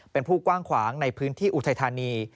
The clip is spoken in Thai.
เป็นผู้กว้างขวางในพื้นที่อุทัยธานี